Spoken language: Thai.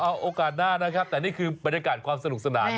เอาโอกาสหน้านะครับแต่นี่คือบรรยากาศความสนุกสนาน